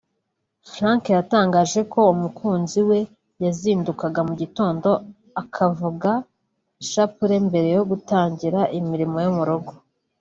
Frank yatangaje ko umukunzi we yazindukaga mu gitondo akavuga ishapule mbere yo gutangira imirimo yo mu rugo